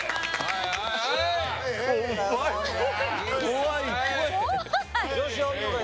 怖い！